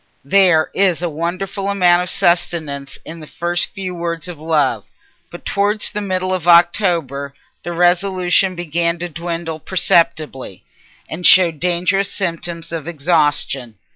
There is a wonderful amount of sustenance in the first few words of love. But towards the middle of October the resolution began to dwindle perceptibly, and showed dangerous symptoms of exhaustion.